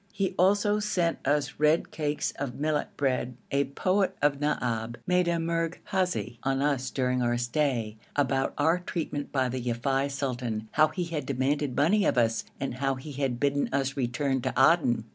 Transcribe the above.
He also sent us red cakes of millet bread. A poet of Naab made a merghazi on us during our stay, about our treatment by the Yafei sultan: how he had demanded money of us and how he had bidden us return to Aden.